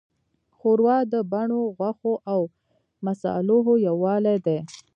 ښوروا د بڼو، غوښو، او مصالحو یووالی دی.